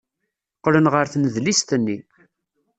Qqlen ɣer tnedlist-nni.